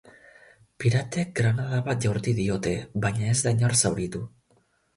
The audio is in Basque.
Piratek granada bat jaurti diote, baina ez da inor zauritu.